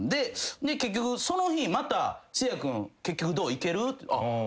結局その日また「せいや君結局どう？行ける？」